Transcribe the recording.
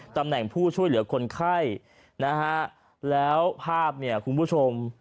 ตำแหน่งผู้ช่วยเหลือคนไข้นะฮะแล้วภาพเนี่ยคุณผู้ชม